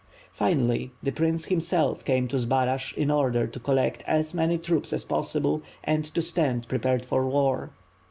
Finally, the prince himself came to Zbaraj in order to collect as many troops as possible and to stand prepared for war.